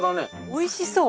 おいしそう。